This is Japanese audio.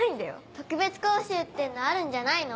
特別講習ってのあるんじゃないの？